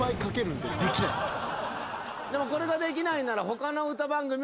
でもこれができないなら。